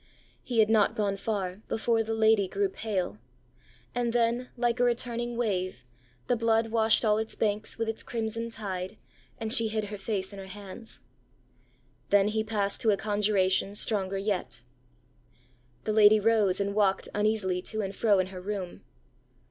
He had not gone far, before the lady grew pale; and then, like a returning wave, the blood washed all its banks with its crimson tide, and she hid her face in her hands. Then he passed to a conjuration stronger yet. The lady rose and walked uneasily to and fro in her room.